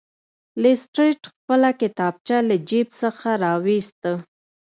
لیسټرډ خپله کتابچه له جیب څخه راویسته.